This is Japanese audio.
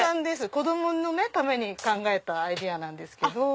子供のために考えたアイデアなんですけど。